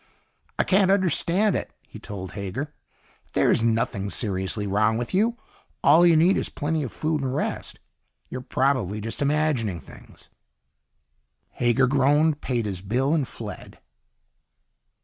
"I can't understand it," he told Hager. "There's nothing seriously wrong with you. All you need is plenty of food and rest. You're probably just imagining things." Hager groaned, paid his bill, and fled.